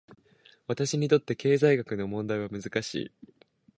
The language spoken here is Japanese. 私にとって、経済学の問題は難しい。